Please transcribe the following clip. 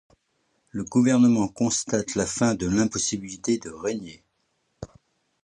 Le gouvernement constate la fin de l'impossibilité de régner.